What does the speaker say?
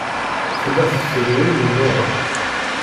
Tella tferru imennuɣen.